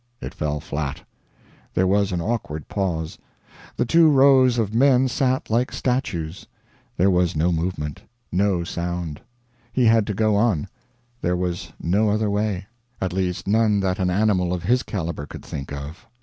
It fell flat. There was an awkward pause. The two rows of men sat like statues. There was no movement, no sound. He had to go on; there was no other way, at least none that an animal of his calibre could think of.